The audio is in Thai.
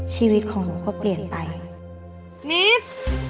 ชีวิตของหนูก็เปลี่ยนไปนิด